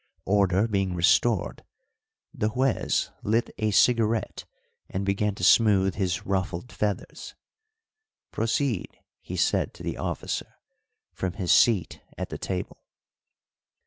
Order being restored, the Juez lit a cigarette and began to smooth his ruffled feathers. "Proceed," he said to the officer, from his seat at the table.